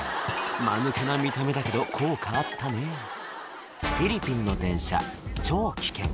マヌケな見た目だけど効果あったねフィリピンの電車超危険